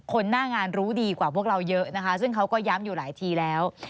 หน้างานรู้ดีกว่าพวกเราเยอะนะคะซึ่งเขาก็ย้ำอยู่หลายทีแล้ว